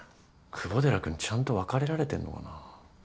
久保寺君ちゃんと別れられてんのかな。